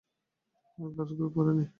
আমার গ্লাভসগুলো পরে নেই।